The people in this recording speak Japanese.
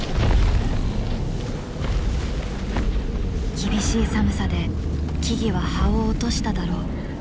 厳しい寒さで木々は葉を落としただろう。